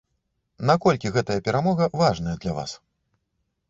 Наколькі гэтая перамога важная для вас?